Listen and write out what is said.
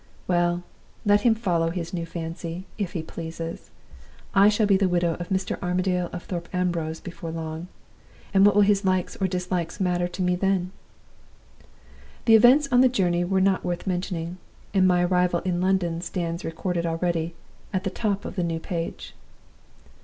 Well, let him follow his new fancy, if he pleases! I shall be the widow of Mr. Armadale of Thorpe Ambrose before long; and what will his likes or dislikes matter to me then? "The events on the journey were not worth mentioning, and my arrival in London stands recorded already on the top of the new page.